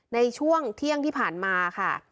ในช่วงเที่ยงที่ผ่านมาค่ะ